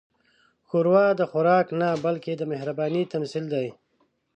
ښوروا د خوراک نه، بلکې د مهربانۍ تمثیل دی.